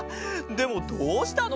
でもどうしたの？